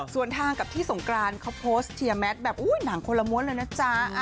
ส่วนทางกับที่สงกรานเขาโพสต์เชียร์แมทแบบหนังคนละม้วนเลยนะจ๊ะ